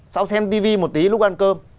sau xem tivi một tí lúc ăn cơm